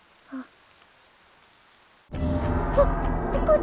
あっ。